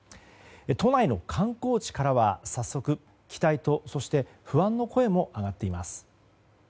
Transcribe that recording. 都内の観光地からは早速期待と不安の声も上がっています。